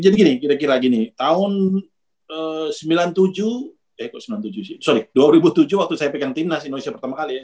jadi gini kira kira gini tahun sembilan puluh tujuh eh kok sembilan puluh tujuh sih sorry dua ribu tujuh waktu saya pegang timnas indonesia pertama kali ya